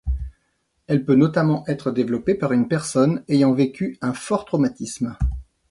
Elle peut notamment être développée par une personne ayant vécu un fort traumatisme.